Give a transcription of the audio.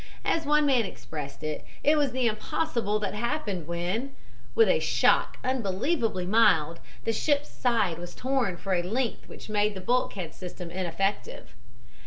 As one man expressed it, it was the impossible that happened when, with a shock unbelievably mild, the ship's side was torn for a length which made the bulkhead system ineffective."